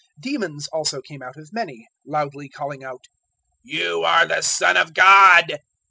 004:041 Demons also came out of many, loudly calling out, "You are the Son of God."